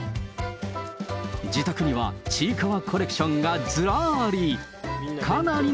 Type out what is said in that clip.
自宅にはちいかわコレクションがずらーり。